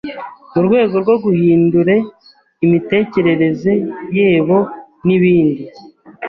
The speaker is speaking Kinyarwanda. mu rwego rwo guhindure imitekerereze yebo n’ibindi.